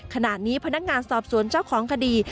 ขณะนี้พนักงานสอบสวนเจ้าของคดี